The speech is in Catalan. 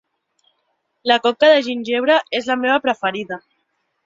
La coca de gingebre és la meva preferida.